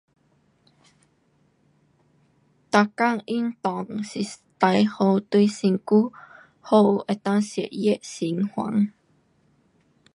每天运动是最好对身体好，能够血液循环。